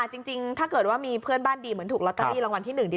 จริงถ้าเกิดว่ามีเพื่อนบ้านดีเหมือนถูกลอตเตอรี่รางวัลที่๑ดี